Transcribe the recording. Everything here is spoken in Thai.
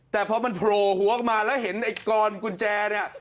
แต่พอมันโผล่หัวออกมาแล้วเห็นไอ้กรอนกุญแจเนี่ย